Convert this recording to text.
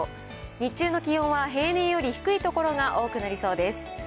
日中の気温は平年より低い所が多くなりそうです。